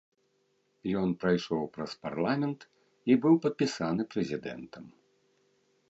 Ён прайшоў праз парламент і быў падпісаны прэзідэнтам.